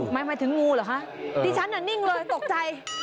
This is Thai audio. หมายถึงงูเหรอคะดิฉันน่ะนิ่งเลยตกใจ